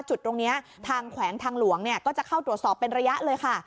จุดตรงนี้ทางแขวงทางหลวงก็จะเข้าตรวจสอบเป็นระยะเลยค่ะ